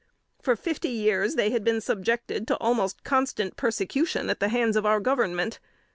For fifty years they had been subjected to almost constant persecution at the hands of our Government.